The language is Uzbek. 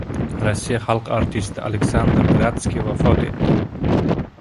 Rossiya xalq artisti Aleksandr Gradskiy vafot etdi